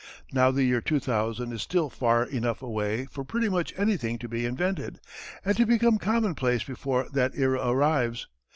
Now the year 2000 is still far enough away for pretty much anything to be invented, and to become commonplace before that era arrives.